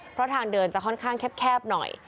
เพราะทางเดินจะค่อนข้างแคบหน่อย